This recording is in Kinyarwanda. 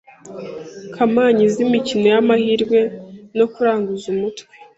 kompanyi z'imikino y'amahirwe no kuraguza umutwe